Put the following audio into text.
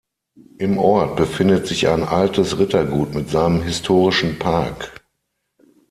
Im Ort befindet sich ein altes Rittergut mit seinem historischen Park.